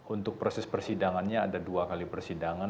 untuk proses persidangannya ada dua kali persidangan